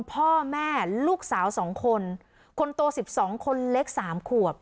พ่อแม่ลูกสาวสองคนคนโตสิบสองคนเล็กสามขวบ